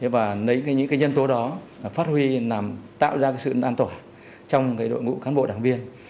và những nhân tố đó phát huy tạo ra sự an toàn trong đội ngũ cán bộ đảng viên